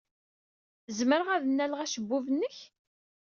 Zemreɣ ad nnaleɣ acebbub-nnek?